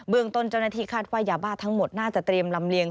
ต้นเจ้าหน้าที่คาดว่ายาบ้าทั้งหมดน่าจะเตรียมลำเลียง